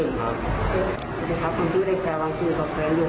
สวัสดีครับผมชื่อเด็กชายวังยมสวัสดีครับ